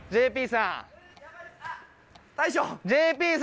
ＪＰさん。